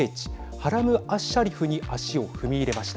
ハラム・アッシャリフに足を踏み入れました。